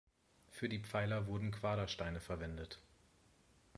Für die Pfeiler wurden Quadersteine verwendet.